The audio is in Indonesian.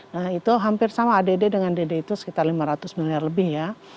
nah itu hampir sama add dengan dd itu sekitar lima ratus miliar lebih ya